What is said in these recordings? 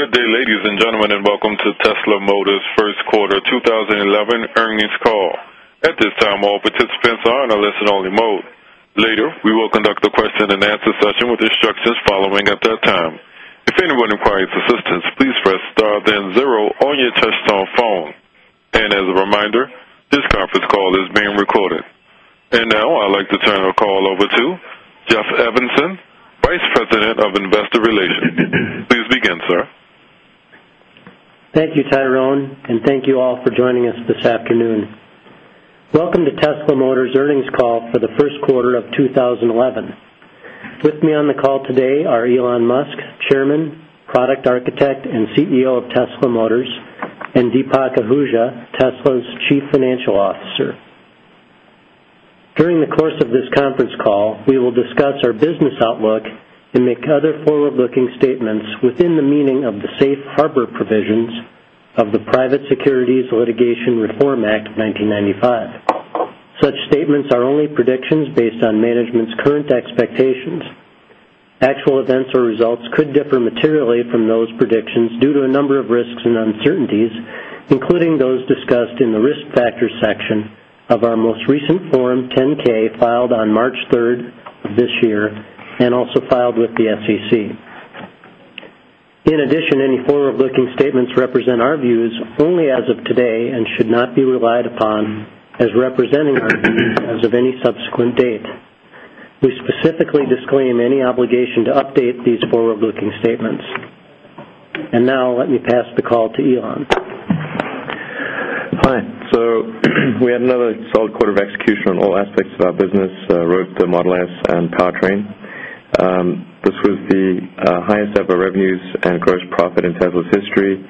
Good day, ladies and gentlemen, and welcome to Tesla Motors' First Quarter 2011 Earnings Call. At this time, all participants are in a listen-only mode. Later, we will conduct a question and answer session with instructions following at that time. If anyone requires assistance, please press star then zero on your touch-tone phone. As a reminder, this conference call is being recorded. Now, I'd like to turn the call over to Jeff Evanson, Vice President of Investor Relations. Please begin, sir. Thank you, Tyrone, and thank you all for joining us this afternoon. Welcome to Tesla Motors' Earnings Call for the First Quarter of 2011. With me on the call today are Elon Musk, Chairman, Product Architect, and CEO of Tesla Motors, and Deepak Ahuja, Tesla's Chief Financial Officer. During the course of this conference call, we will discuss our business outlook and make other forward-looking statements within the meaning of the Safe Harbor provisions of the Private Securities Litigation Reform Act 1995. Such statements are only predictions based on management's current expectations. Actual events or results could differ materially from those predictions due to a number of risks and uncertainties, including those discussed in the Risk Factors section of our most recent Form 10-K, filed on March 3rd of this year and also filed with the SEC. In addition, any forward-looking statements represent our views only as of today and should not be relied upon as representing our views as of any subsequent date. We specifically disclaim any obligation to update these forward-looking statements. Let me pass the call to Elon. Hi. We had another solid quarter of execution on all aspects of our business, road to Model S and powertrain. This was the highest ever revenues and gross profit in Tesla's history,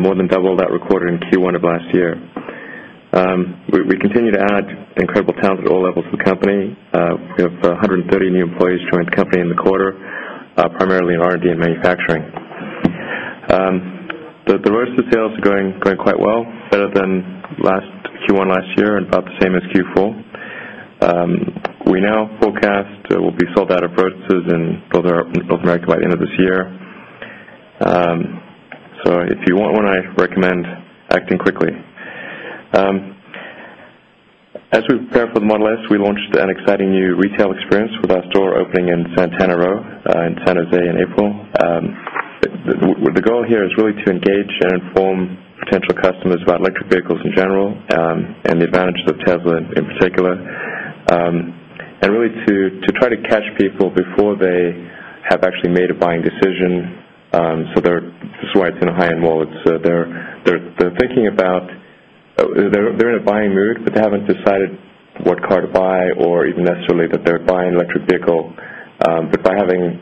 more than double that recorded in Q1 of last year. We continue to add incredible talent at all levels to the company. We have 130 new employees joining the company in the quarter, primarily in R&D and manufacturing. The Roadster sales are going quite well, better than last Q1 last year and about the same as Q4. We now forecast we'll be sold out of Roadsters in North America by the end of this year. If you want one, I recommend acting quickly. As we prepare for the Model S, we launched an exciting new retail experience with our store opening in Santana Row and San Jose in April. The goal here is really to engage and inform potential customers about electric vehicles in general and the advantages of Tesla in particular, and really to try to catch people before they have actually made a buying decision. This is why it's in a high-end mode. They're thinking about, they're in a buying mood, but they haven't decided what car to buy or even necessarily that they're buying an electric vehicle. By having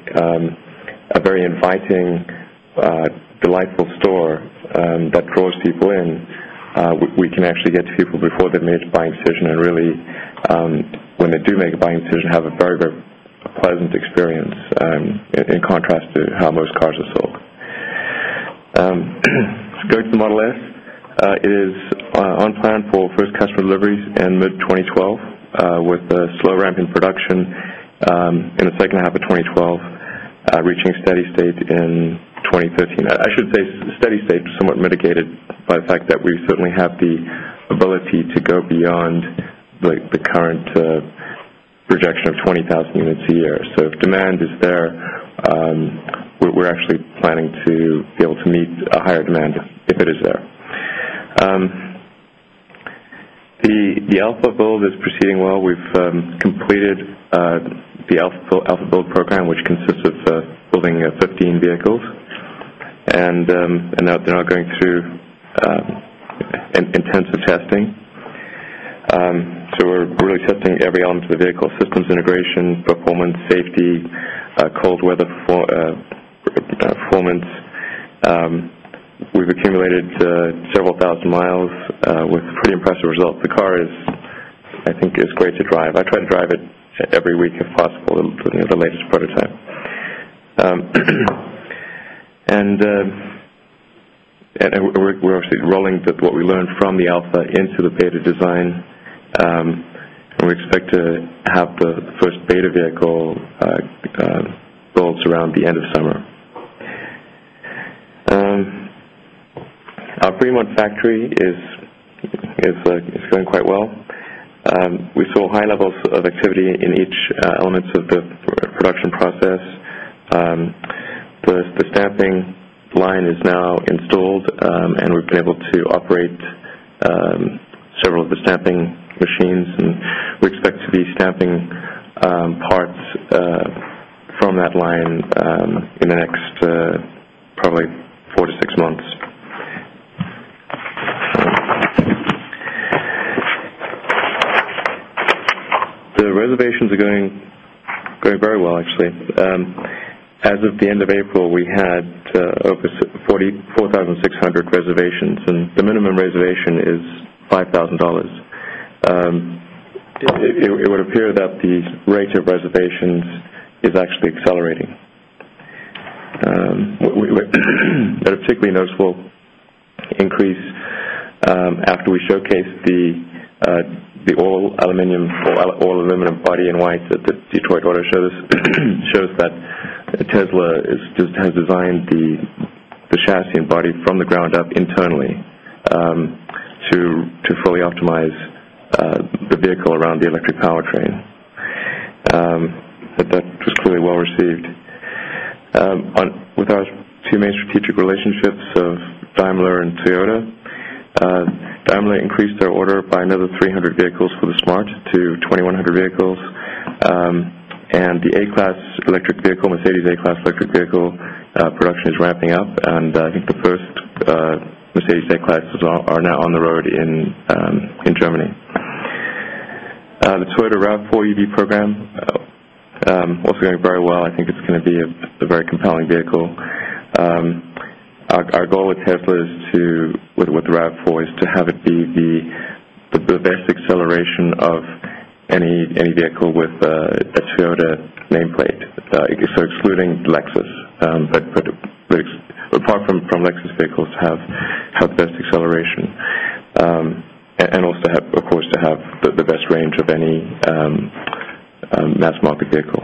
a very inviting, delightful store that draws people in, we can actually get people before they make a buying decision and really, when they do make a buying decision, have a very, very pleasant experience in contrast to how most cars are sold. Going to the Model S, it is on plan for first customer deliveries in mid-2012 with a slow ramp in production in the second half of 2012, reaching a steady state in 2013. I should say steady state is somewhat mitigated by the fact that we certainly have the ability to go beyond the current projection of 20,000 units a year. If demand is there, we're actually planning to be able to meet a higher demand if it is there. The Alpha build is proceeding well. We've completed the Alpha build program, which consists of building 15 vehicles, and they're now going through intensive testing. We're really testing every element of the vehicle: systems integration, performance, safety, cold weather performance. We've accumulated several thousand miles with pretty impressive results. The car is, I think, great to drive. I try to drive it every week if possible for the latest prototype. We're obviously rolling what we learned from the Alpha into the Beta design, and we expect to have the first Beta vehicle builds around the end of summer. Our pre-mod factory is going quite well. We saw high levels of activity in each element of the production process. The stamping line is now installed, and we've been able to operate several of the stamping machines, and we expect to be stamping parts from that line in the next probably four to six months. The reservations are going very well, actually. As of the end of April, we had over 4,600 reservations, and the minimum reservation is $5,000. It would appear that the rate of reservations is actually accelerating. We had a particularly noticeable increase after we showcased the all-aluminum body in white at the Detroit Auto Show. This shows that Tesla has designed the chassis and body from the ground up internally to fully optimize the vehicle around the electric powertrain. That was clearly well received. With our two main strategic relationships of Daimler and Toyota, Daimler increased their order by another 300 vehicles for the Smart to 2,100 vehicles, and the A-Class electric vehicle, Mercedes A-Class electric vehicle production is ramping up, and I think the first Mercedes A-Classes are now on the road in Germany. The Toyota RAV4 EV program is also going very well. I think it's going to be a very compelling vehicle. Our goal with Tesla is to, with the RAV4, is to have it be the best acceleration of any vehicle with a Toyota nameplate, so excluding Lexus, but apart from Lexus vehicles, to have the best acceleration and also, of course, to have the best range of any mass-market vehicle.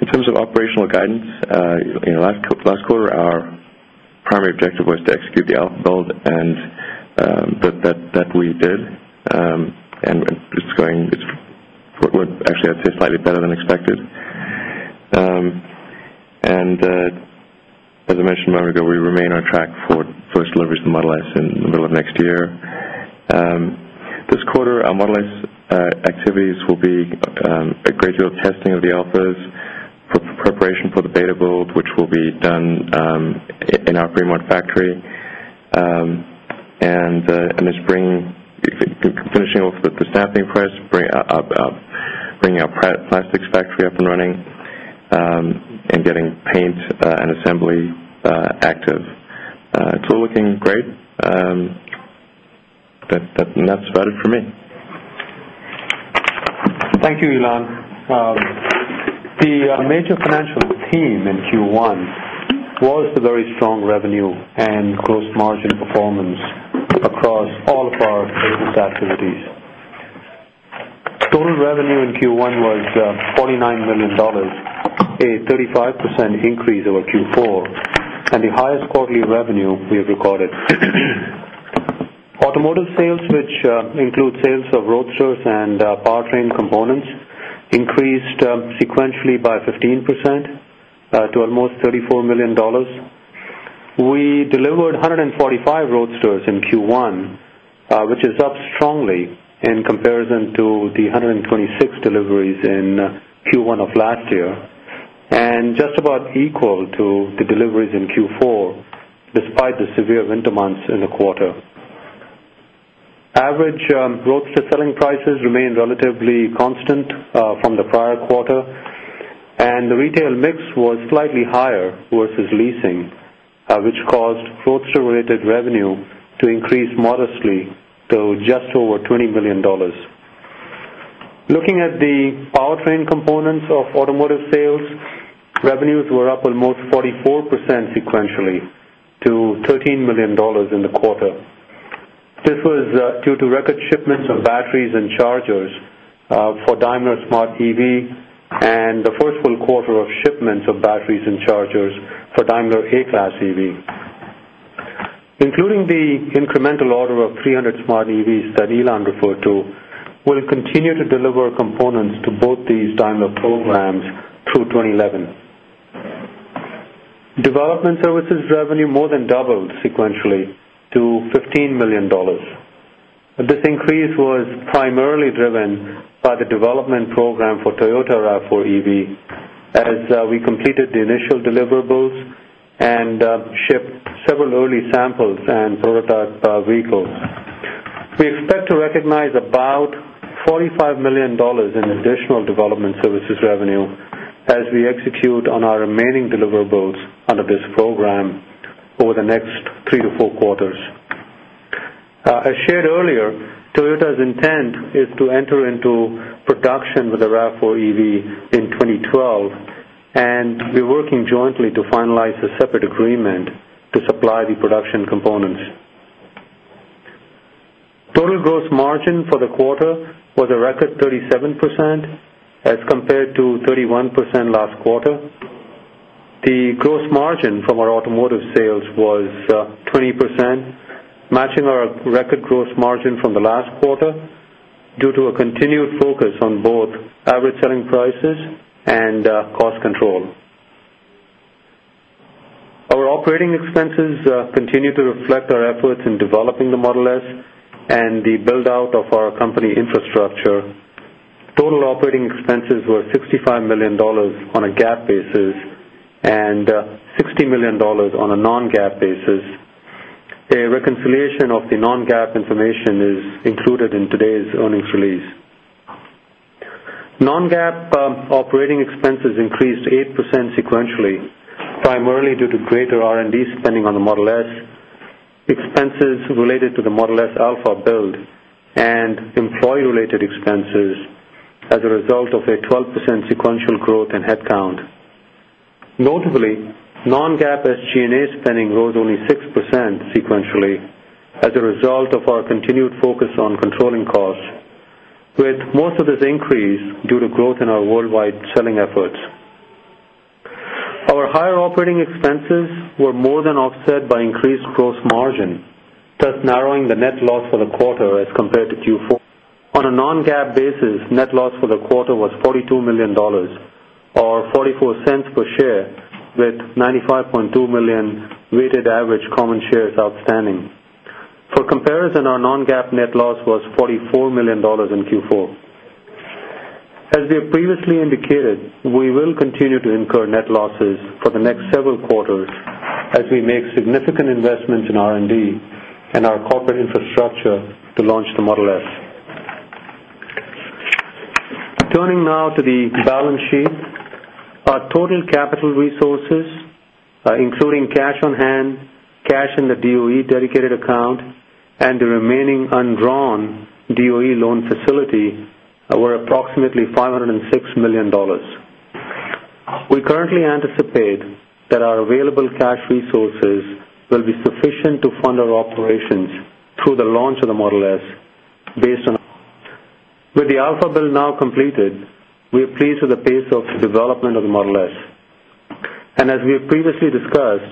In terms of operational guidance, in the last quarter, our primary objective was to execute the Alpha build, and that we did, and it's going actually slightly better than expected. As I mentioned a moment ago, we remain on track for the first deliveries of the Model S in the middle of next year. This quarter, our Model S activities will be a gradual testing of the Alphas with preparation for the Beta build, which will be done in our pre-mod factory. This spring, finishing off the stamping for us, bringing our plastics factory up and running, and getting paint and assembly active. It's all looking great. That's about it for me. Thank you, Elon. The major financial theme in Q1 was the very strong revenue and gross margin performance across all of our business activ ities. Total revenue in Q1 was $49 million, a 35% increase over Q4, and the highest quarterly revenue we have recorded. Automotive sales, which include sales of Roadsters and powertrain components, increased sequentially by 15% to almost $34 million. We delivered 145 Roadsters in Q1, which is up strongly in comparison to the 126 deliveries in Q1 of last year, and just about equal to the deliveries in Q4, despite the severe winter months in the quarter. Average Roadster selling prices remain relatively constant from the prior quarter, and the retail mix was slightly higher versus leasing, which caused Roadster-related revenue to increase modestly to just over $20 million. Looking at the powertrain components of automotive sales, revenues were up almost 44% sequentially to $13 million in the quarter. This was due to record shipments of batteries and chargers for Daimler Smart EV and the first full quarter of shipments of batteries and chargers for Daimler A-Class EV. Including the incremental order of 300 Smart EVs that Elon referred to, we will continue to deliver components to both these Daimler programs through 2011. Development services revenue more than doubled sequentially to $15 million. This increase was primarily driven by the development program for Toyota RAV4 EV, as we completed the initial deliverables and shipped several early samples and prototype vehicles. We expect to recognize about $45 million in additional development services revenue as we execute on our remaining deliverables under this program over the next three to four quarters. As shared earlier, Toyota's intent is to enter into production with the RAV4 EV in 2012, and we are working jointly to finalize a separate agreement to supply the production components. Total gross margin for the quarter was a record 37% as compared to 31% last quarter. The gross margin from our automotive sales was 20%, matching our record gross margin from the last quarter due to a continued focus on both average selling prices and cost control. Our operating expenses continue to reflect our efforts in developing the Model S and the build-out of our company infrastructure. Total operating expenses were $65 million on a GAAP basis and $60 million on a non-GAAP basis. A reconciliation of the non-GAAP information is included in today's earnings release. Non-GAAP operating expenses increased 8% sequentially, primarily due to greater R&D spending on the Model S, expenses related to the Model S Alpha build, and employee-related expenses as a result of a 12% sequential growth in headcount. Notably, non-GAAP SG&A spending rose only 6% sequentially as a result of our continued focus on controlling costs, with most of this increase due to growth in our worldwide selling efforts. Our higher operating expenses were more than offset by increased gross margin, thus narrowing the net loss for the quarter as compared to Q4. On a non-GAAP basis, net loss for the quarter was $42 million or $0.44 per share, with 95.2 million weighted average common shares outstanding. For comparison, our non-GAAP net loss was $44 million in Q4. As we have previously indicated, we will continue to incur net losses for the next several quarters as we make significant investments in R&D and our corporate infrastructure to launch the Model S. Turning now to the balance sheet, our total capital resources, including cash on hand, cash in the DOE dedicated account, and the remaining undrawn DOE loan facility were approximately $506 million. We currently anticipate that our available cash resources will be sufficient to fund our operations through the launch of the Model S. With the Alpha build now completed, we are pleased with the pace of development of the Model S. As we have previously discussed,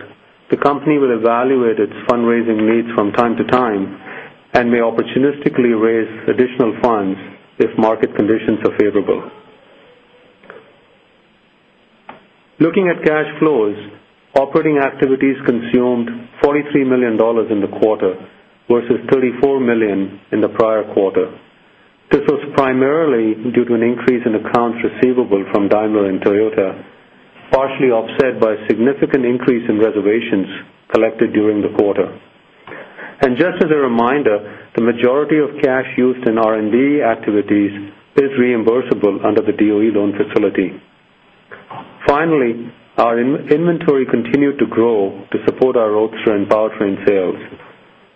the company will evaluate its fundraising needs from time to time and may opportunistically raise additional funds if market conditions are favorable. Looking at cash flows, operating activities consumed $43 million in the quarter versus $34 million in the prior quarter. This was primarily due to an increase in accounts receivable from Daimler and Toyota, partially offset by a significant increase in reservations collected during the quarter. Just as a reminder, the majority of cash used in R&D activities is reimbursable under the DOE loan facility. Finally, our inventory continued to grow to support our Roadster and powertrain sales.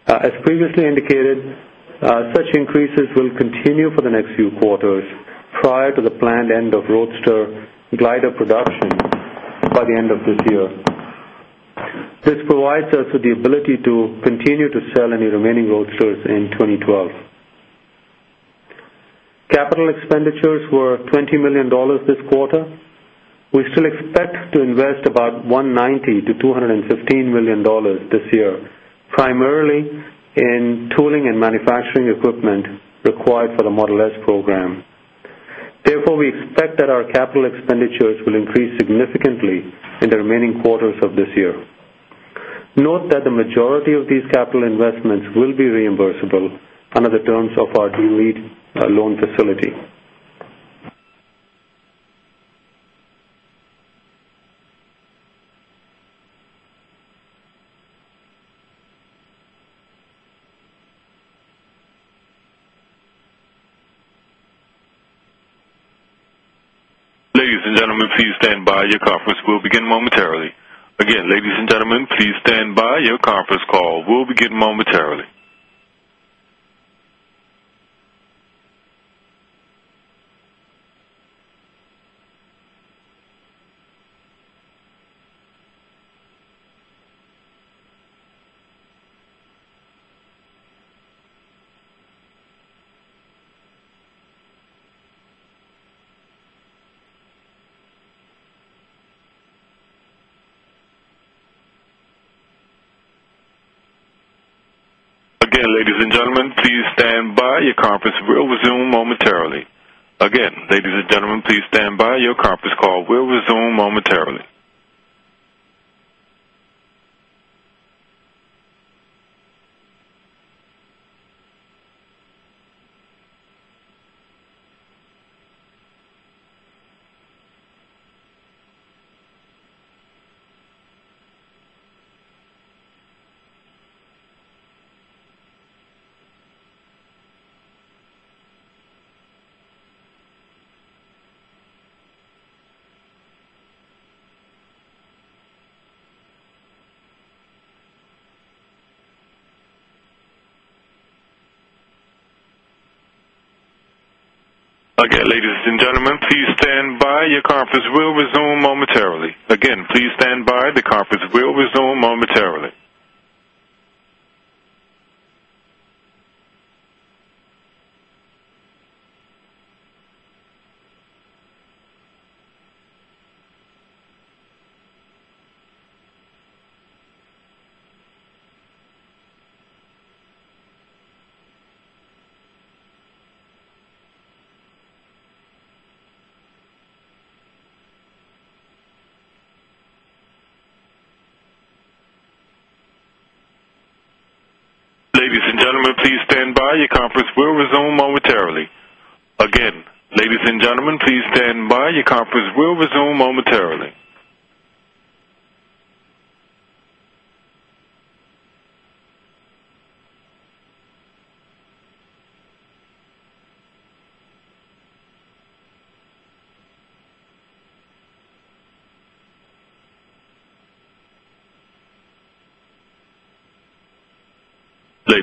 As previously indicated, such increases will continue for the next few quarters prior to the planned end of Roadster glider production by the end of this year. This provides us with the ability to continue to sell any remaining Roadsters in 2012. Capital expenditures were $20 million this quarter. We still expect to invest about $190-$215 million this year, primarily in tooling and manufacturing equipment required for the Model S program. Therefore, we expect that our capital expenditures will increase significantly in the remaining quarters of this year. Note that the majority of these capital investments will be reimbursable under the terms of our DOE loan facility. Again, ladies and gentlemen, please stand by. Your conference call will resume momentarily. Sorry, you're on the conference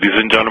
now.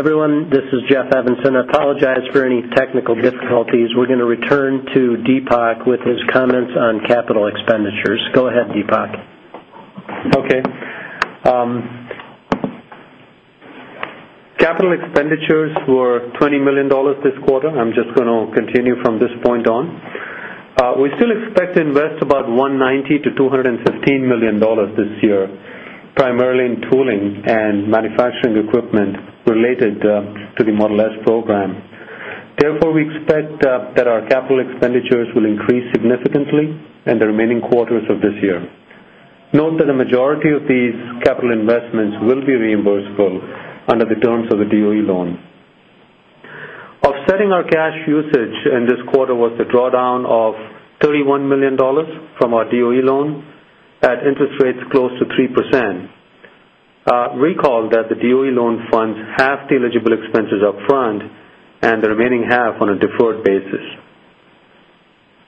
Everyone, this is Jeff Evanson. I apologize for any technical difficulties. We're going to return to Deepak with his comments on capital expenditures. Go ahead, Deepak. Okay. Capital expenditures were $20 million this quarter. I'm just going to continue from this point on. We still expect to invest about $190 million-$215 million this year, primarily in tooling and manufacturing equipment related to the Model S program. Therefore, we expect that our capital expenditures will increase significantly in the remaining quarters of this year. Note that the majority of these capital investments will be reimbursable under the terms of the DOE loan. Offsetting our cash usage in this quarter was the drawdown of $31 million from our DOE loan at interest rates close to 3%. Recall that the DOE loan funds half the eligible expenses upfront and the remaining half on a deferred basis.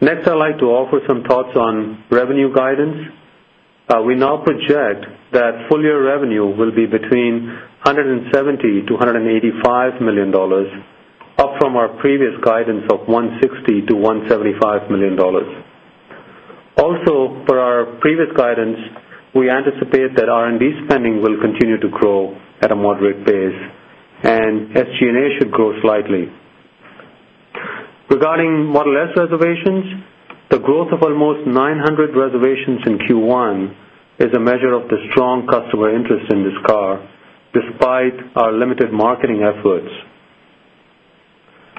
Next, I'd like to offer some thoughts on revenue guidance. We now project that full-year revenue will be between $170 million-$185 million, up from our previous guidance of $160 million-$175 million. Also, per our previous guidance, we anticipate that R&D spending will continue to grow at a moderate pace, and SG&A should grow slightly. Regarding Model S reservations, the growth of almost 900 reservations in Q1 is a measure of the strong customer interest in this car, despite our limited marketing efforts.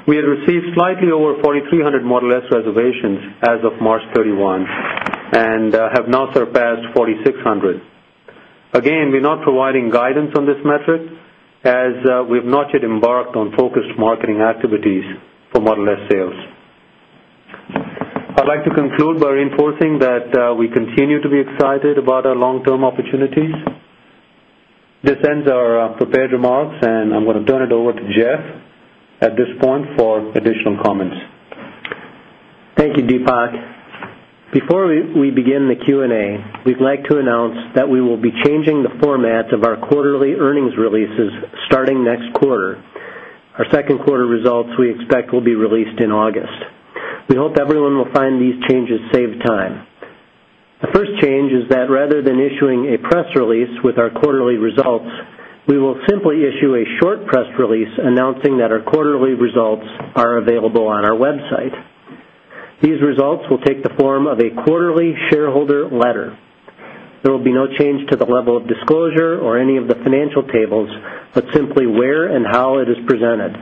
We had received slightly over 4,300 Model S reservations as of March 31 and have now surpassed 4,600. Again, we're not providing guidance on this metric as we've not yet embarked on focused marketing activities for Model S sales. I'd like to conclude by reinforcing that we continue to be excited about our long-term opportunities. This ends our prepared remarks, and I'm going to turn it over to Jeff at this point for additional comments. Thank you, Deepak. Before we begin the Q&A, we'd like to announce that we will be changing the format of our quarterly earnings releases starting next quarter. Our second quarter results, we expect, will be released in August. We hope everyone will find these changes save time. The first change is that rather than issuing a press release with our quarterly results, we will simply issue a short press release announcing that our quarterly results are available on our website. These results will take the form of a quarterly shareholder letter. There will be no change to the level of disclosure or any of the financial tables, but simply where and how it is presented.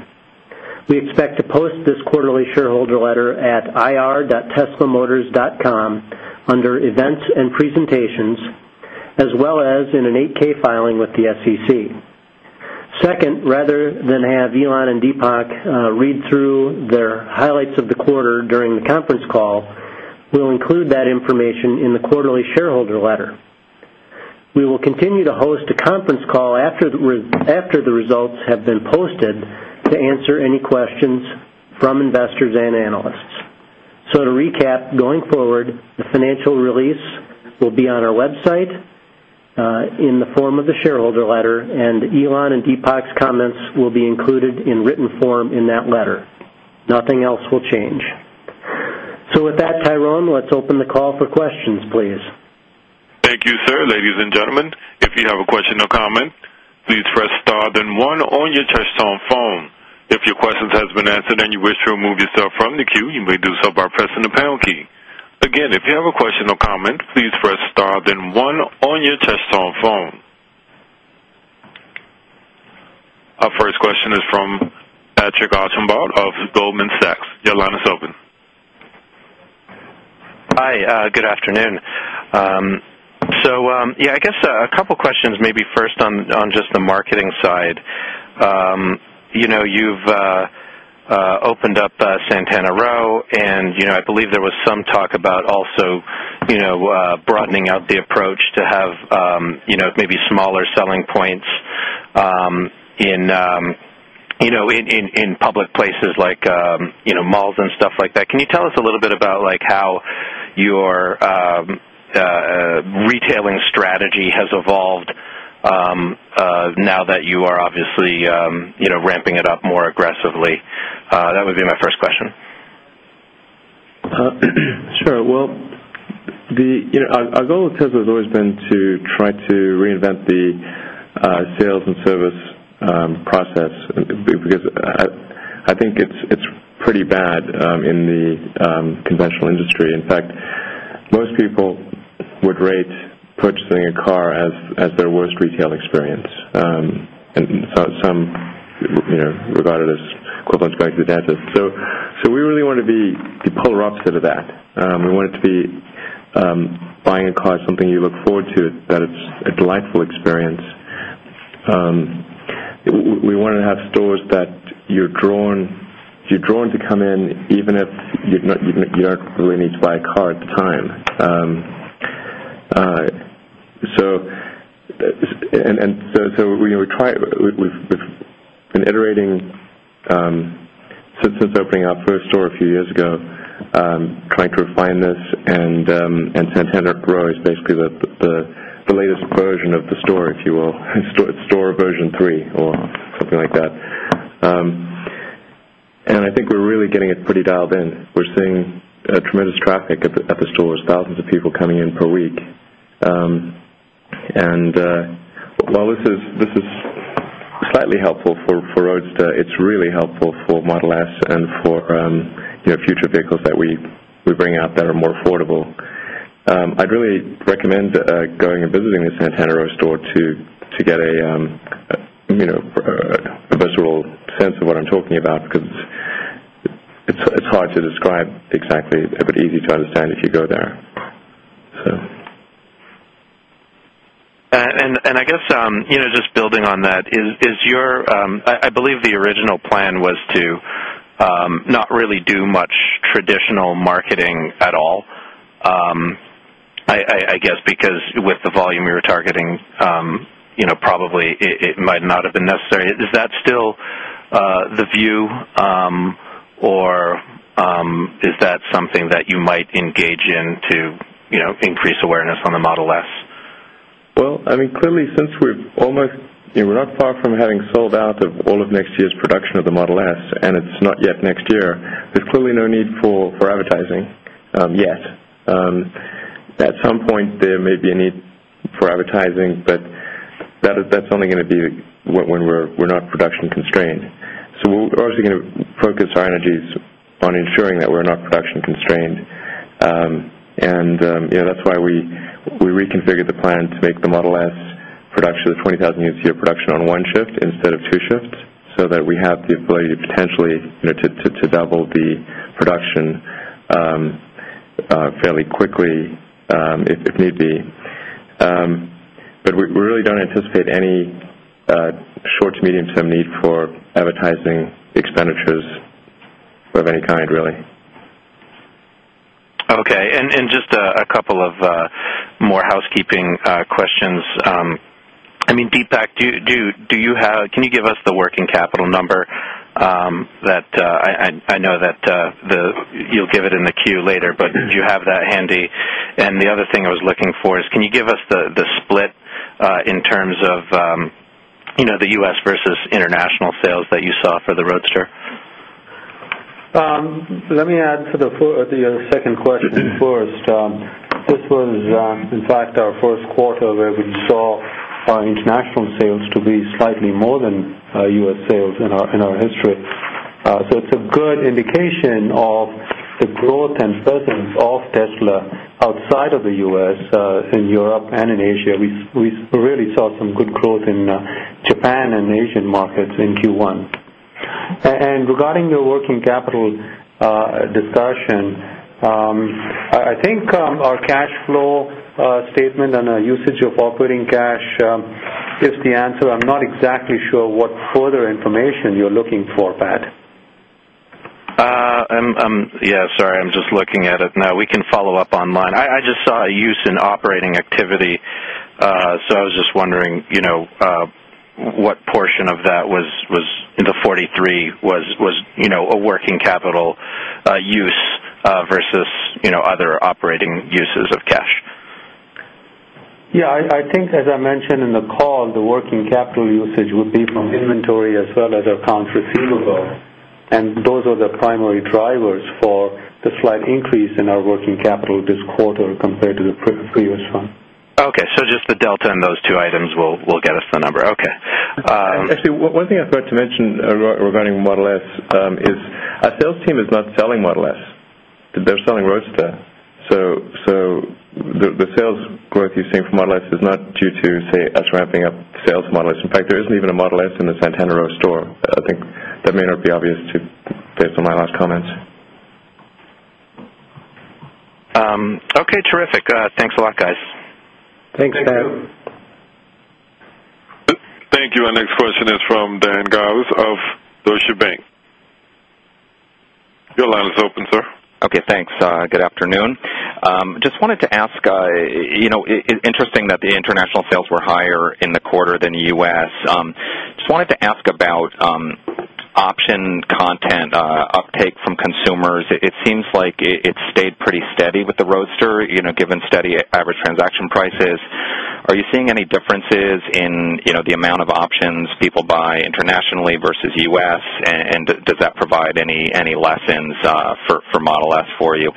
We expect to post this quarterly shareholder letter at ir.teslamotors.com under events and presentations, as well as in an 8-K filing with the SEC. Second, rather than have Elon and Deepak read through their highlights of the quarter during the conference call, we'll include that information in the quarterly shareholder letter. We will continue to host a conference call after the results have been posted to answer any questions from investors and analysts. To recap, going forward, the financial release will be on our website in the form of the shareholder letter, and Elon and Deepak's comments will be included in written form in that letter. Nothing else will change. With that, Tyrone, let's open the call for questions, please. Thank you, sir. Ladies and gentlemen, if you have a question or comment, please press star then one on your Tesla phone. If your question has been answered and you wish to remove yourself from the queue, you may do so by pressing the pound key. Again, if you have a question or comment, please press star then one on your Tesla phone. Our first question is from Patrick Archambault of Goldman Sachs. You're line is open. Hi. Good afternoon. I guess a couple of questions, maybe first on just the marketing side. You've opened up Santana Row, and I believe there was some talk about also broadening out the approach to have maybe smaller selling points in public places like malls and stuff like that. Can you tell us a little bit about how your retailing strategy has evolved now that you are obviously ramping it up more aggressively? That would be my first question. Our goal at Tesla has always been to try to reinvent the sales and service process because I think it's pretty bad in the conventional industry. In fact, most people would rate purchasing a car as their worst retail experience, and some regard it as equivalent to that. We really want to be the polar opposite of that. We want it to be buying a car is something you look forward to, that it's a delightful experience. We want to have stores that you're drawn to come in even if you don't really need to buy a car at the time. We've been iterating since opening our first store a few years ago, trying to refine this, and Santana Row is basically the latest version of the store, if you will, store version three or something like that. I think we're really getting it pretty dialed in. We're seeing tremendous traffic at the stores, thousands of people coming in per week. While this is slightly helpful for Roadster, it's really helpful for Model S and for future vehicles that we bring out that are more affordable. I'd really recommend going and visiting the Santana Row store to get a visual sense of what I'm talking about because it's hard to describe exactly, but easy to understand if you go there. I guess just building on that, I believe the original plan was to not really do much traditional marketing at all, I guess, because with the volume you were targeting, probably it might not have been necessary. Is that still the view, or is that something that you might engage in to increase awareness on the Model S? Clearly, since we're not far from having sold out of all of next year's production of the Model S, and it's not yet next year, there's clearly no need for advertising yet. At some point, there may be a need for advertising, but that's only going to be when we're not production-constrained. We're obviously going to focus our energies on ensuring that we're not production-constrained, and that's why we reconfigured the plan to make the Model S production of 20,000 units a year production on one shift instead of two shifts so that we have the ability to potentially double the production fairly quickly if need be. We really don't anticipate any short to medium-term need for advertising expenditures of any kind, really. Okay. Just a couple of more housekeeping questions. Deepak, can you give us the working capital number? I know that you'll give it in the Q later, but do you have that handy? The other thing I was looking for is, can you give us the split in terms of the U.S. versus international sales that you saw for the Roadster? Let me answer the second question first. This was, in fact, our first quarter where we saw our international sales to be slightly more than U.S. sales in our history. It's a good indication of the growth and presence of Tesla outside of the U.S., in Europe, and in Asia. We really saw some good growth in Japan and Asian markets in Q1. Regarding the working capital discussion, I think our cash flow statement and our usage of operating cash gives the answer. I'm not exactly sure what further information you're looking for, Pat. Sorry, I'm just looking at it now. We can follow up online. I just saw a use in operating activity, so I was just wondering what portion of that was in the $43 million was a working capital use versus other operating uses of cash. Yeah, I think, as I mentioned in the call, the working capital usage would be from inventory as well as accounts receivable, and those are the primary drivers for the slight increase in our working capital this quarter compared to the previous one. Okay, just the delta in those two items will get us the number. Okay. Actually, one thing I forgot to mention regarding Model S is our sales team is not selling Model S. They're selling Roadster. The sales growth you're seeing from Model S is not due to, say, us ramping up sales of Model S. In fact, there isn't even a Model S in the Santana Row store. I think that may not be obvious based on my last comments. Okay, terrific. Thanks a lot, guys. Thanks, Pat. Thank you. Our next question is from Dan Galves of Deutsche Bank. Your line is open, sir. Okay, thanks. Good afternoon. Just wanted to ask, you know, it's interesting that the international sales were higher in the quarter than the U.S. Just wanted to ask about option content uptake from consumers. It seems like it's stayed pretty steady with the Roadster, given steady average transaction prices. Are you seeing any differences in the amount of options people buy internationally versus the U.S., and does that provide any lessons for Model S for you?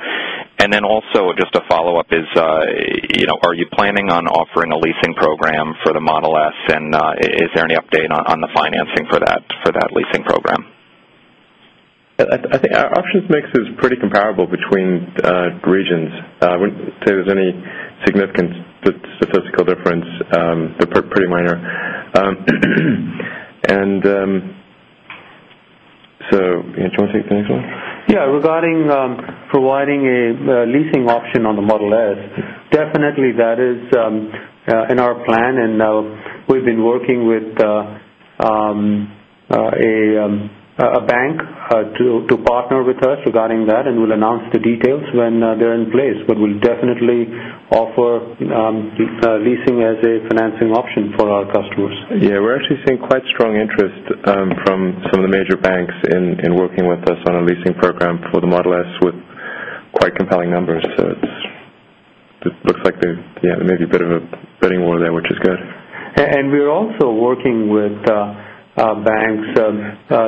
Also, just a follow-up is, are you planning on offering a leasing program for the Model S, and is there any update on the financing for that leasing program? I think our options mix is pretty comparable between regions. I wouldn't say there's any significant statistical difference, pretty minor. Do you want to take the next one? Yeah, regarding providing a leasing option on the Model S, that is in our plan, and we've been working with a bank to partner with us regarding that, and we'll announce the details when they're in place. We'll definitely offer leasing as a financing option for our customers. Yeah, we're actually seeing quite strong interest from some of the major banks in working with us on a leasing program for the Model S with quite compelling numbers. It looks like there may be a bit of a bidding war there, which is good. We are also working with banks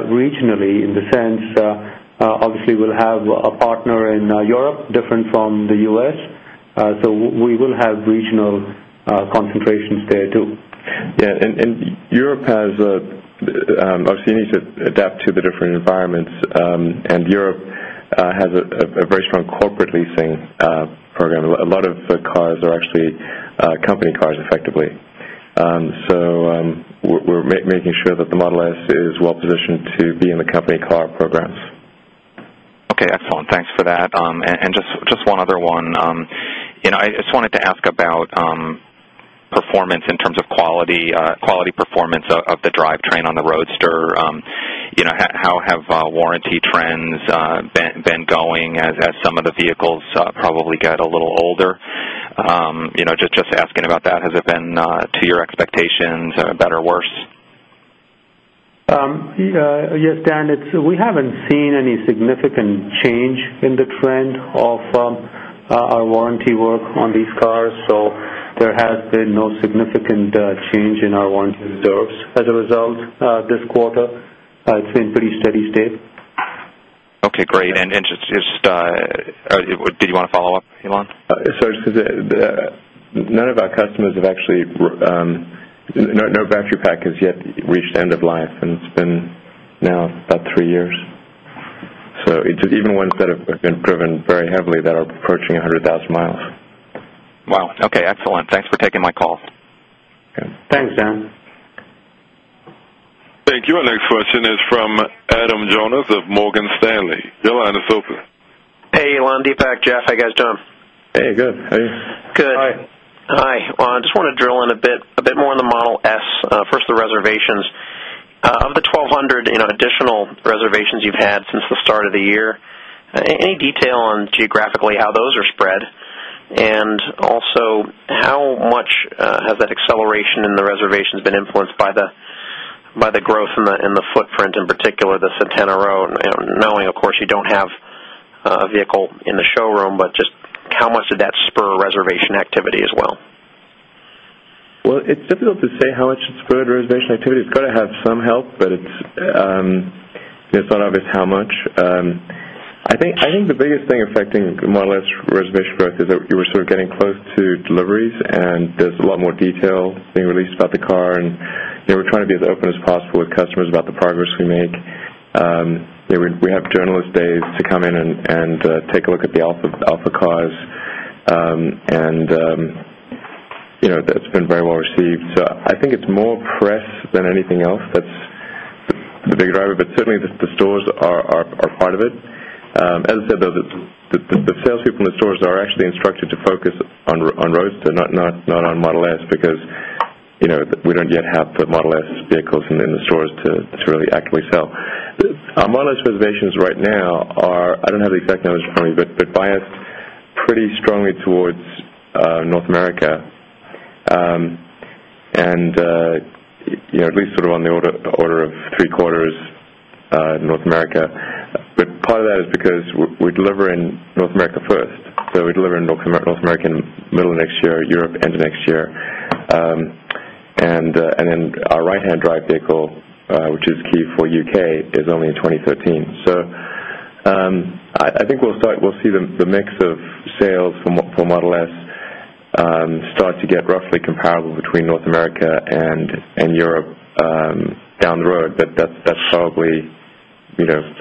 regionally. Obviously, we'll have a partner in Europe, different from the U.S., so we will have regional concentrations there too. Europe obviously needs to adapt to the different environments, and Europe has a very strong corporate leasing program. A lot of cars are actually company cars effectively. We're making sure that the Model S is well positioned to be in the company car programs. Okay, excellent. Thanks for that. Just one other one. I just wanted to ask about performance in terms of quality performance of the drivetrain on the Roadster. How have warranty trends been going as some of the vehicles probably get a little older? Just asking about that, has it been to your expectations, better or worse? Yes, Dan, we haven't seen any significant change in the trend of our warranty work on these cars. There has been no significant change in our warranty reserves as a result this quarter. It's in pretty steady state. Okay, great. Did you want to follow up, Elon? None of our customers have actually, no battery pack has yet reached end of life, and it's been now about three years. Even ones that have been driven very heavily that are approaching 100,000 miles. Okay, excellent. Thanks for taking my call. Thanks, Dan. Thank you. Our next question is from Adam Jonas of Morgan Stanley. Your line is open. Hey, Elon, Deepak, Jeff, how you guys doing? Hey, good. How are you? Good. Hi. Hi. I just want to drill in a bit more on the Model S. First, the reservations. Of the 1,200 additional reservations you've had since the start of the year, any detail on geographically how those are spread? Also, how much has that acceleration in the reservations been influenced by the growth in the footprint, in particular the Santana Row? Not only, of course, you don't have a vehicle in the showroom, but just how much did that spur reservation activity as well? It's difficult to say how much it spurred reservation activity. It's got to have some help, but it's not obvious how much. I think the biggest thing affecting the Model S reservation growth is that we're sort of getting close to deliveries, and there's a lot more detail being released about the car. We're trying to be as open as possible with customers about the progress we make. We have journalist days to come in and take a look at the Alpha cars, and it's been very well received. I think it's more press than anything else that's the big driver, but certainly the stores are part of it. As I said, the salespeople in the stores are actually instructed to focus on Roadster, not on Model S because we don't yet have the Model S vehicles in the stores to really actively sell. Our Model S reservations right now are, I don't have the exact numbers in front of me, but biased pretty strongly towards North America, and at least sort of on the order of three quarters in North America. Part of that is because we deliver in North America first. We deliver in North America in the middle of next year, Europe end of next year, and then our right-hand drive vehicle, which is key for the U.K., is only in 2013. I think we'll see the mix of sales for Model S start to get roughly comparable between North America and Europe down the road. That probably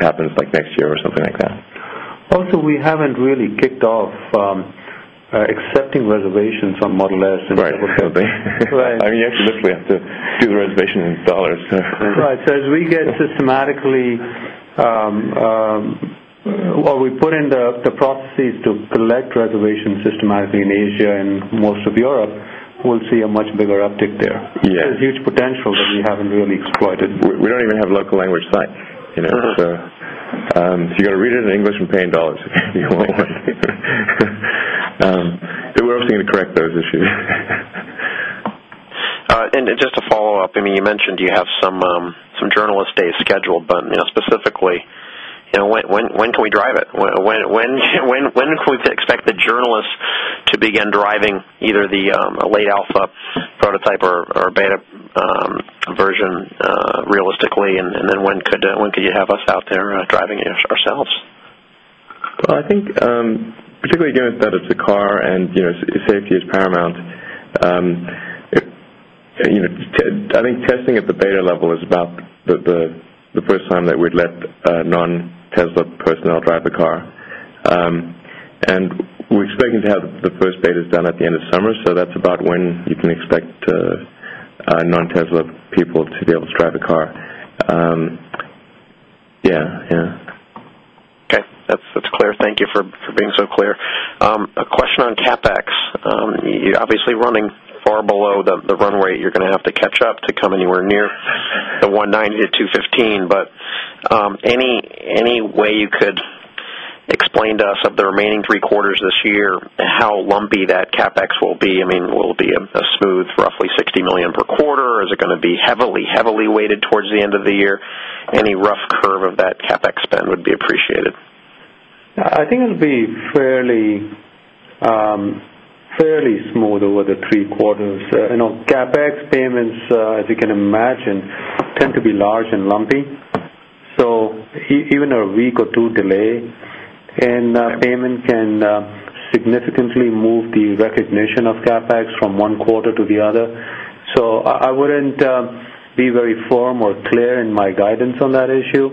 happens like next year or something like that. Also, we haven't really kicked off accepting reservations on Model S. Right. I mean, you actually literally have to do the reservation in dollars. As we get systematically, or we put in the processes to collect reservations systematically in Asia and most of Europe, we'll see a much bigger uptick there. Yeah. There's huge potential that we haven't really exploited. We don't even have local language site. You've got to read it in English and pay in dollars if you want one. We're obviously going to correct those issues. Just to follow up, you mentioned you have some journalist days scheduled, but specifically, when can we drive it? When can we expect the journalists to begin driving either the late Alpha prototype or beta version realistically, and then when could you have us out there driving it ourselves? I think particularly given that it's a car and safety is paramount, I think testing at the beta level is about the first time that we'd let non-Tesla personnel drive the car. We're expecting to have the first beta done at the end of summer, so that's about when you can expect non-Tesla people to be able to drive the car. Yeah, yeah. Okay. That's clear. Thank you for being so clear. A question on CapEx. Obviously, running far below the run rate, you're going to have to catch up to come anywhere near the $190-$215 million, but any way you could explain to us of the remaining three quarters this year how lumpy that CapEx will be? I mean, will it be a smooth roughly $60 million per quarter? Is it going to be heavily, heavily weighted towards the end of the year? Any rough curve of that CapEx spend would be appreciated. I think it'll be fairly smooth over the three quarters. CapEx payments, as you can imagine, tend to be large and lumpy. Even a week or two delay in payment can significantly move the recognition of CapEx from one quarter to the other. I wouldn't be very firm or clear in my guidance on that issue,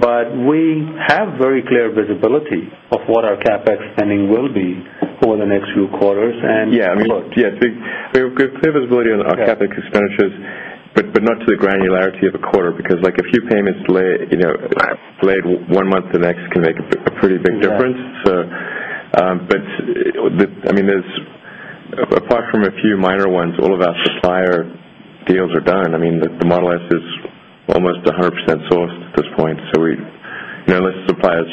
but we have very clear visibility of what our CapEx spending will be over the next few quarters. Yeah, we have clear visibility on our capital expenditures, but not to the granularity of a quarter because a few payments delayed one month to the next can make a pretty big difference. Apart from a few minor ones, all of our supplier agreements are done. The Model S is almost 100% sourced at this point. Unless suppliers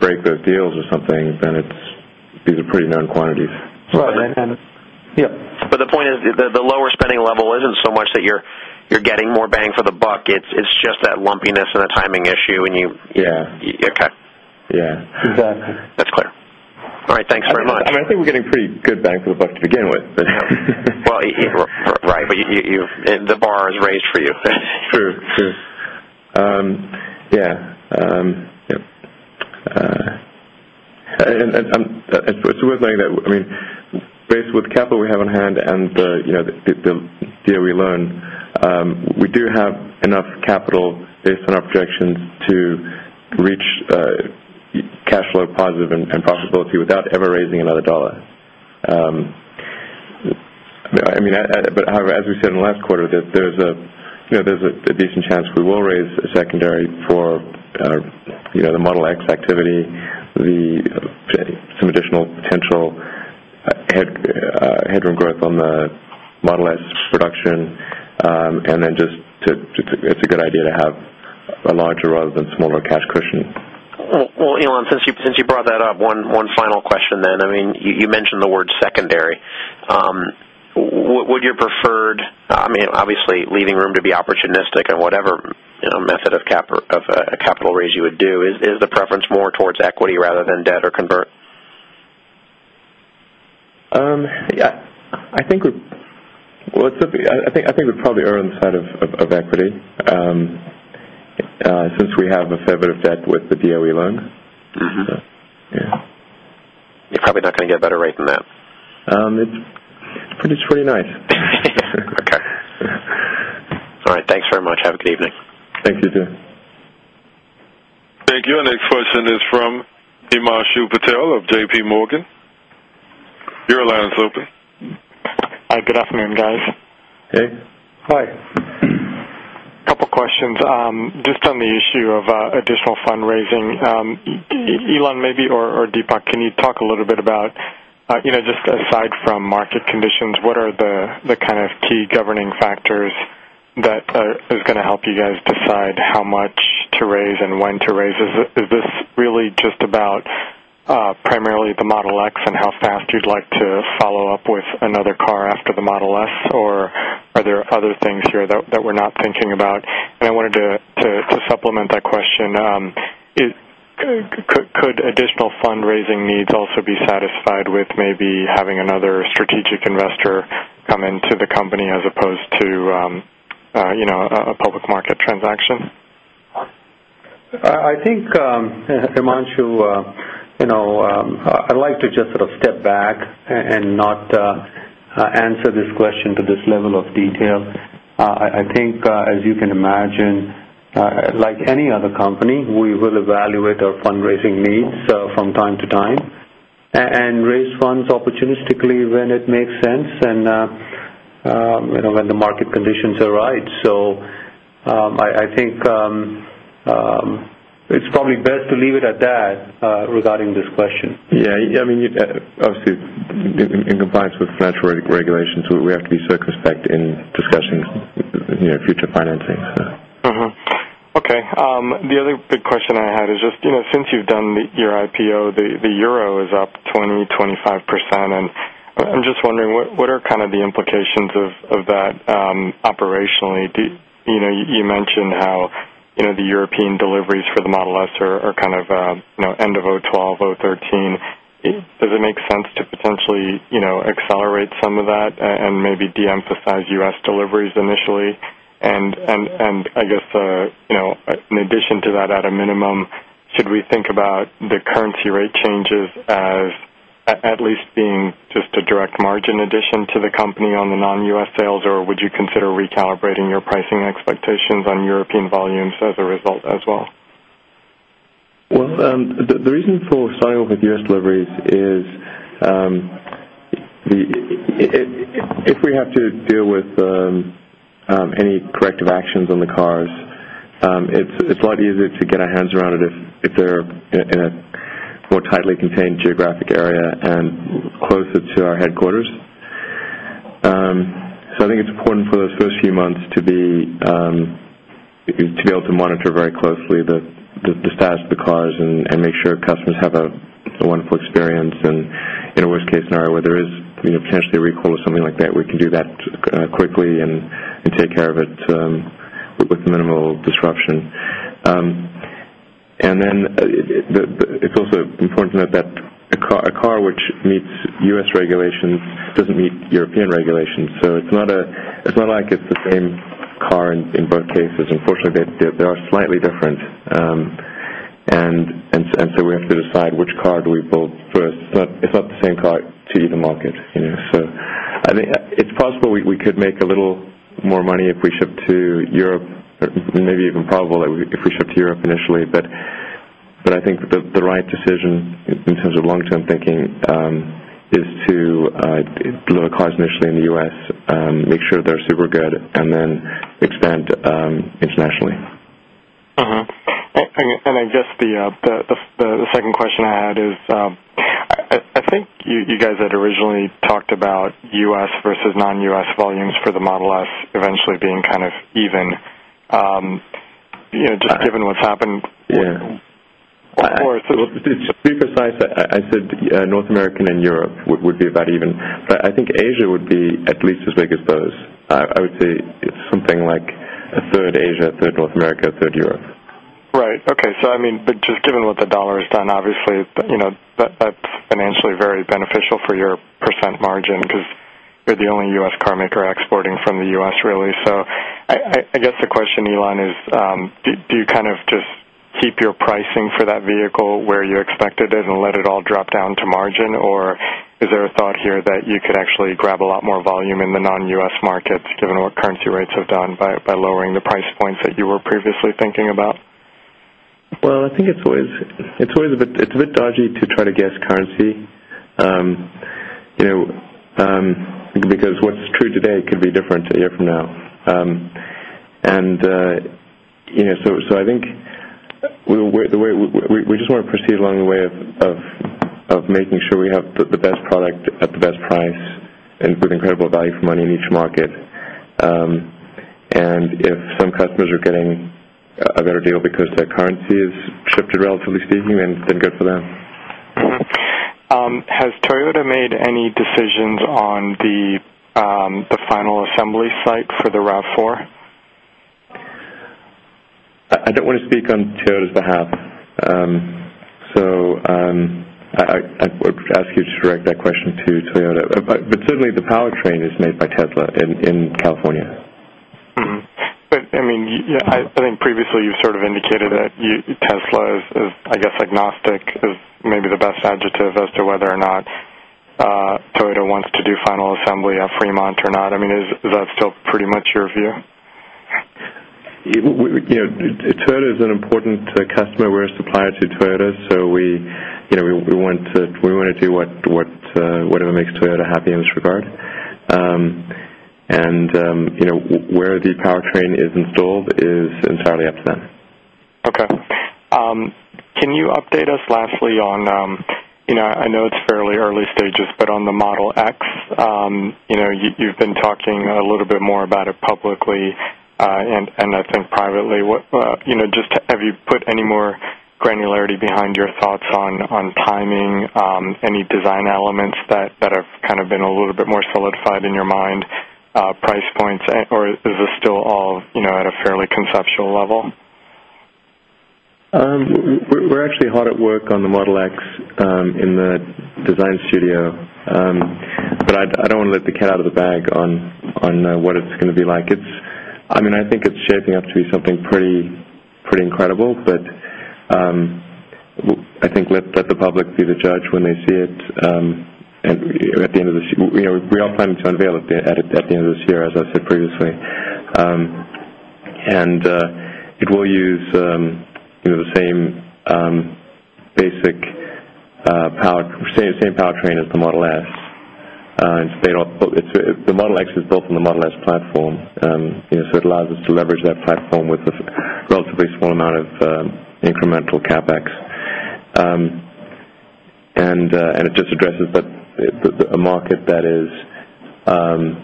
break those agreements or something, then these are pretty known quantities. The point is the lower spending level isn't so much that you're getting more bang for the buck. It's just that lumpiness and the timing issue, and you. Yeah. Okay. Yeah. Exactly. That's clear. All right, thanks very much. I mean, I think we're getting pretty good bang for the buck to begin with. The bar is raised for you. True, true. Yeah. It's worth noting that, I mean, based with the capital we have on hand and the DOE loan, we do have enough capital based on our projections to reach cash flow positive and profitability without ever raising another dollar. However, as we said in the last quarter, there's a decent chance we will raise a secondary for the Model X activity, some additional potential headroom growth on the Model S production, and then just it's a good idea to have a larger rather than smaller cash cushion. Elon, since you brought that up, one final question then. I mean, you mentioned the word secondary. Would your preferred, I mean, obviously leaving room to be opportunistic on whatever method of capital raise you would do, is the preference more towards equity rather than debt or convert? I think we're probably erring on the side of equity since we have a favoring of debt with the DOE loan. You're probably not going to get a better rate than that. It is pretty nice. Okay. All right. Thanks very much. Have a good evening. Thanks. You too. Thank you. Our next question is from Himanshu Patel of JPMorgan. Your line is open. Hi. Good afternoon, guys. Hey. Hi. A couple of questions. Just on the issue of additional fundraising, Elon, maybe, or Deepak, can you talk a little bit about, you know, just aside from market conditions, what are the kind of key governing factors that are going to help you guys decide how much to raise and when to raise? Is this really just about primarily the Model X and how fast you'd like to follow up with another car after the Model S, or are there other things here that we're not thinking about? I wanted to supplement that question. Could additional fundraising needs also be satisfied with maybe having another strategic investor come into the company as opposed to a public market transaction? I'd like to just step back and not answer this question to this level of detail. I think, as you can imagine, like any other company, we will evaluate our fundraising needs from time to time and raise funds opportunistically when it makes sense and when the market conditions are right. I think it's probably best to leave it at that regarding this question. Yeah. I mean, obviously, in compliance with fresh regulations, we have to be circumspect in discussions in future financing. Okay. The other big question I had is just, you know, since you've done your IPO, the euro is up 20%, 25%, and I'm just wondering, what are kind of the implications of that operationally? You mentioned how the European deliveries for the Model S are kind of end of 2012, 2013. Does it make sense to potentially accelerate some of that and maybe deemphasize U.S. deliveries initially? I guess, in addition to that, at a minimum, should we think about the currency rate changes as at least being just a direct margin addition to the company on the non-U.S. sales, or would you consider recalibrating your pricing expectations on European volumes as a result as well? The reason for starting off with U.S. deliveries is if we have to deal with any corrective actions on the cars, it's a lot easier to get our hands around it if they're in a more tightly contained geographic area and closer to our headquarters. I think it's important for those first few months to be able to monitor very closely the status of the cars and make sure customers have a wonderful experience. In a worst-case scenario, where there is potentially a recall or something like that, we can do that quickly and take care of it with minimal disruption. It's also important to note that a car which meets U.S. regulations doesn't meet European regulations. It's not like it's the same car in both cases. Unfortunately, they are slightly different. We have to decide which car do we build first. It's not the same car to either market. I think it's possible we could make a little more money if we ship to Europe, maybe even probable if we ship to Europe initially. I think the right decision in terms of long-term thinking is to build a car initially in the U.S., make sure they're super good, and then expand internationally. I guess the second question I had is, I think you guys had originally talked about U.S. versus non-U.S. volumes for the Model S eventually being kind of even, just given what's happened. To be precise, I said North America and Europe would be about even, but I think Asia would be at least as big as both. I would say it's something like a third Asia, a third North America, a third Europe. Right. Okay. Given what the dollar has done, obviously, that's financially very beneficial for your percent margin because you're the only U.S. car maker exporting from the U.S., really. I guess the question, Elon, is do you kind of just keep your pricing for that vehicle where you expected it and let it all drop down to margin, or is there a thought here that you could actually grab a lot more volume in the non-U.S. markets given what currency rates have done by lowering the price points that you were previously thinking about? I think it's always a bit dodgy to try to guess currency because what's true today could be different a year from now. I think we just want to proceed along the way of making sure we have the best product at the best price and with incredible value for money in each market. If some customers are getting a better deal because their currency has shifted relatively steadily, then good for them. Has Toyota made any decisions on the final assembly site for the RAV4? I don't want to speak on Toyota's behalf, so I would ask you to direct that question to Toyota. Certainly, the powertrain is made by Tesla in California. I mean, I think previously you've sort of indicated that Tesla is, I guess, agnostic is maybe the best adjective as to whether or not Toyota wants to do final assembly at Fremont or not. I mean, is that still pretty much your view? Toyota is an important customer. We're a supplier to Toyota, so we want to do whatever makes Toyota happy in this regard. Where the powertrain is installed is entirely up to them. Okay. Can you update us lastly on, you know, I know it's fairly early stages, but on the Model X, you've been talking a little bit more about it publicly and I think privately. Have you put any more granularity behind your thoughts on timing, any design elements that have kind of been a little bit more solidified in your mind, price points, or is this still all at a fairly conceptual level? We're actually hard at work on the Model X in the design studio, but I don't want to let the cat out of the bag on what it's going to be like. I mean, I think it's shaping up to be something pretty incredible, but I think let the public be the judge when they see it. At the end of this year, we are planning to unveil it at the end of this year, as I said previously. It will use the same basic powertrain as the Model S. The Model X is built on the Model S platform, so it allows us to leverage that platform with a relatively small amount of incremental CapEx. It just addresses a market that is the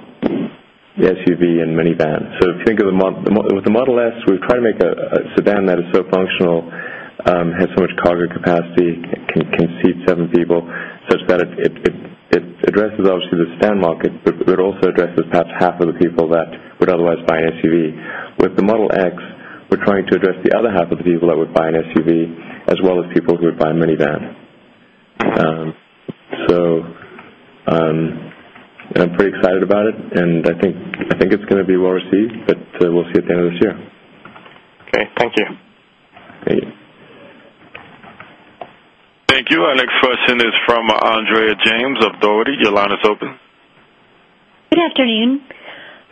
SUV and minivan. If you think of the Model S, we're trying to make a sedan that is so functional, has so much cargo capacity, can seat seven people, such that it addresses obviously the sedan market, but also addresses perhaps half of the people that would otherwise buy an SUV. With the Model X, we're trying to address the other half of the people that would buy an SUV as well as people who would buy a minivan. I'm pretty excited about it, and I think it's going to be worthy, but we'll see at the end of this year. Okay, thank you. Thank you. Thank you. Our next question is from Andrea James of Doherty. Your line is open. Good afternoon.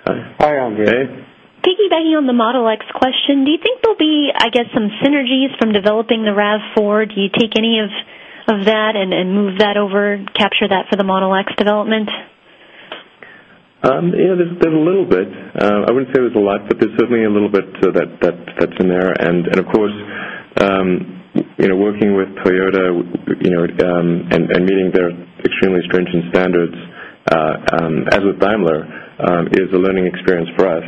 Hi. Hi, Andrea. Thank you. Piggybacking on the Model X question, do you think there'll be, I guess, some synergies from developing the RAV4? Do you take any of that and move that over, capture that for the Model X development? Yeah, there's a little bit. I wouldn't say there's a lot, but there's certainly a little bit that's in there. Of course, working with Toyota and meeting their extremely stringent standards, as with Daimler, is a learning experience for us.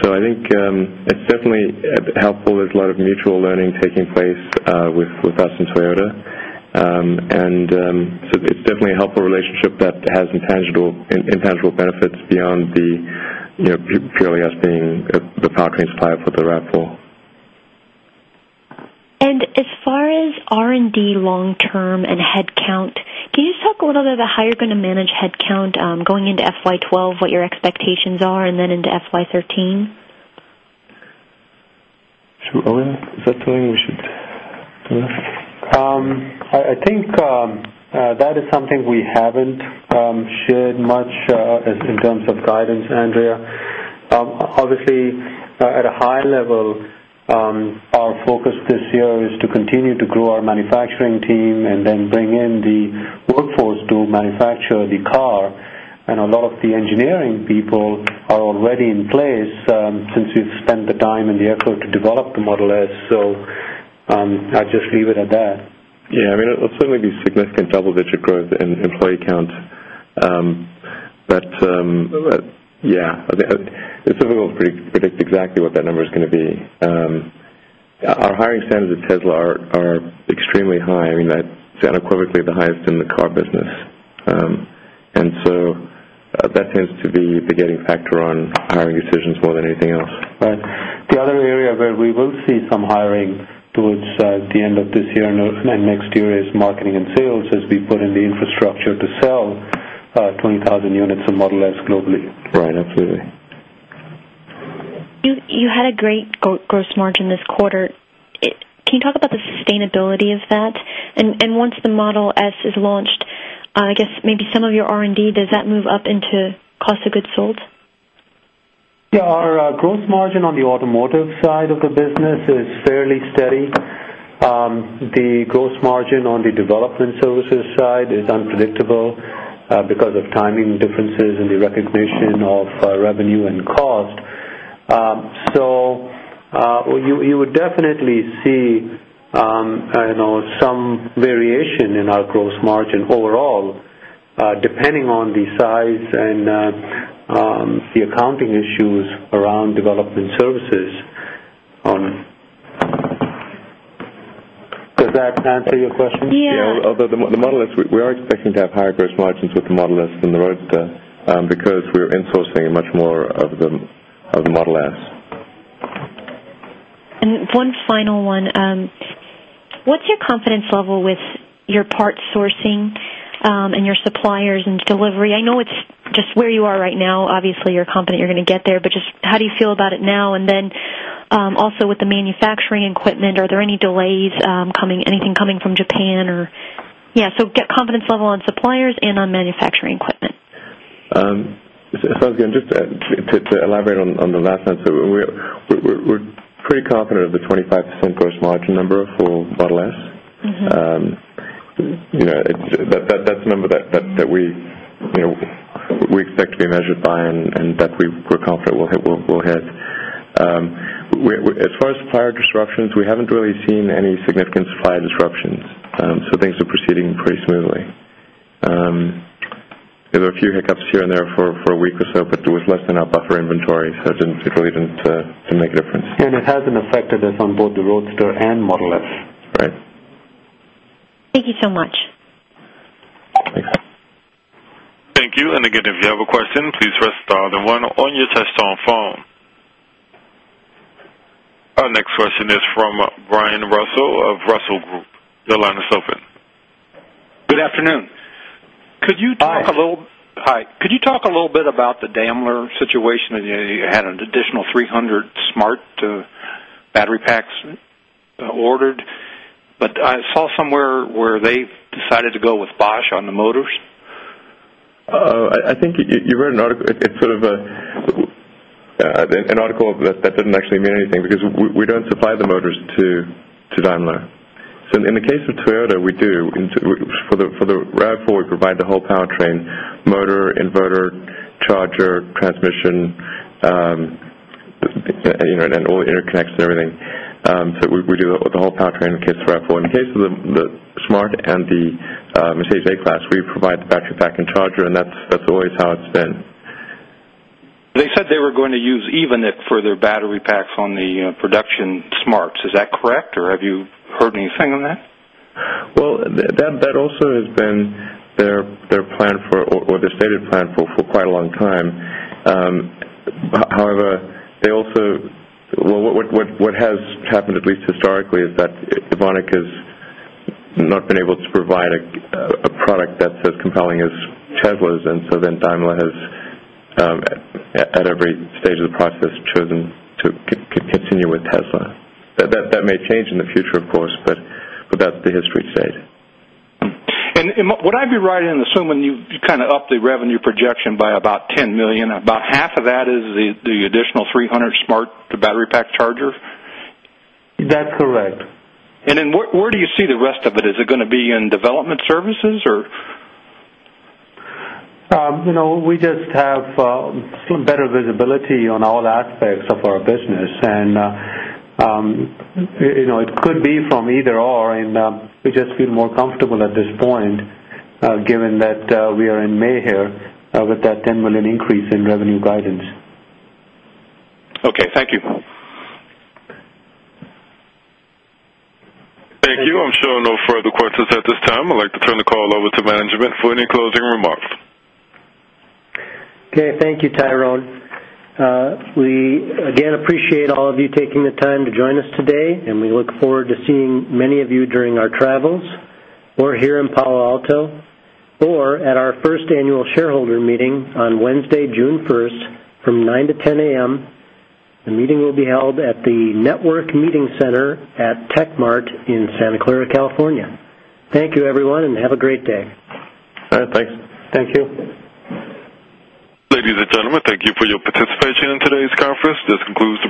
I think it's definitely helpful. There's a lot of mutual learning taking place with us and Toyota, and it's definitely a helpful relationship that has intangible benefits beyond purely us being the packing supplier for the RAV4. As far as R&D long-term and headcount, can you just talk a little bit about how you're going to manage headcount going into FY 2012, what your expectations are, and then into FY 2013? Sure. Is that telling we should? I think that is something we haven't shared much in terms of guidance, Andrea. Obviously, at a high-level, our focus this year is to continue to grow our manufacturing team, then bring in the workforce to manufacture the car. A lot of the engineering people are already in place since we've spent the time and the effort to develop the Model S. I'd just leave it at that. Yeah, I mean, it'll certainly be significant double-digit growth in employee count, but yeah, it's difficult to predict exactly what that number is going to be. Our hiring standards at Tesla are extremely high. I mean, that's unequivocally the highest in the car business, and that tends to be the getting factor on hiring decisions more than anything else. Right. The other area where we will see some hiring towards the end of this year and next year is marketing and sales as we put in the infrastructure to sell 20,000 units of Model S globally. Right. Absolutely. You had a great gross margin this quarter. Can you talk about the sustainability of that? Once the Model S is launched, I guess maybe some of your R&D, does that move up into cost of goods sold? Yeah, our gross margin on the automotive side of the business is fairly steady. The gross margin on the development services side is unpredictable because of timing differences in the recognition of revenue and cost. You would definitely see some variation in our gross margin overall depending on the size and the accounting issues around development services. Does that answer your question? Yeah. Although the Model S, we are expecting to have higher gross margins with the Model S than the Roadster because we're insourcing much more of the Model S. One final one. What's your confidence level with your parts sourcing and your suppliers and delivery? I know it's just where you are right now. Obviously, you're confident you're going to get there, but just how do you feel about it now? Also, with the manufacturing equipment, are there any delays coming, anything coming from Japan? Yeah. Get confidence level on suppliers and on manufacturing equipment. If I was going to just elaborate on the last answer, we're pretty confident of the 25% gross margin number for Model S. That's a number that we expect to be measured by and that we're confident we'll hit. As far as supplier disruptions, we haven't really seen any significant supplier disruptions. Things are proceeding pretty smoothly. There are a few hiccups here and there for a week or so, but it was less than our buffer inventory, so it really didn't make a difference. It hasn't affected us on both the Roadster and Model S. Right. Thank you so much. Thank you. If you have a question, please press star one on your Tesla phone. Our next question is from Brian Russell of Russell Group. Your line is open. Good afternoon. Could you talk a little? Hi. Hi. Could you talk a little bit about the Daimler situation? You had an additional 300 Smart battery packs ordered, but I saw somewhere where they've decided to go with Bosch on the motors. I think you read an article. It's sort of an article that doesn't actually mean anything because we don't supply the motors to Daimler. In the case of Toyota, we do. For the RAV4, we provide the whole powertrain, motor, inverter, charger, transmission, and all the interconnects and everything. We do the whole powertrain in the case of the RAV4. In the case of the Smart and the Mercedes A-Class, we provide the battery pack and charger, and that's always how it's been. They said they were going to use Evonic it for their battery packs on the production Smart. Is that correct, or have you heard anything on that? That also has been their plan or their stated plan for quite a long time. However, what has happened at least historically is that Evonic has not been able to provide a product that's as compelling as Tesla's, and so Daimler has at every stage of the process chosen to continue with Tesla. That may change in the future, of course, but that's the history it's stayed. What I'd be writing in the summary, you kind of upped the revenue projection by about $10 million. About half of that is the additional 300 Smartbattery pack chargers? That's correct. Where do you see the rest of it? Is it going to be in development services or? We just have some better visibility on all aspects of our business, and it could be from either or, and we just feel more comfortable at this point given that we are in May here with that $10 million increase in revenue guidance. Okay. Thank you, Bob. Thank you. I'm showing no further questions at this time. I'd like to turn the call over to management for any closing remarks. Okay. Thank you, Tyrone. We again appreciate all of you taking the time to join us today, and we look forward to seeing many of you during our travels or here in Palo Alto or at our first annual shareholder meeting on Wednesday, June 1st, from 9:00 to 10:00 A.M. The meeting will be held at the Network Meeting Center at Tech Mart in Santa Clara, California. Thank you, everyone, and have a great day. All right, thanks. Thank you. Ladies and gentlemen, thank you for your participation in today's conference. This concludes.